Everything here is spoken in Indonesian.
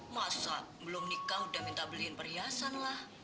masa belum nikah udah minta beliin perhiasan lah